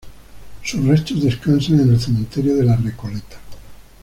Sus restos descansan en el Cementerio de La Recoleta.